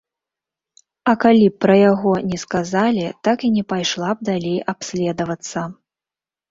А калі б пра яго не сказалі, так і не пайшла б далей абследавацца.